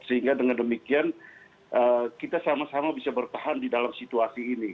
sehingga dengan demikian kita sama sama bisa bertahan di dalam situasi ini